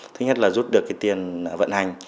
thứ nhất là rút được cái tiền vận hành